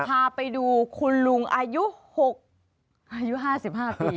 พาไปดูคุณลุงอายุ๕๕ปี